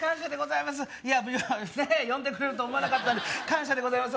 いやもうね呼んでくれると思わなかったんで感謝でございます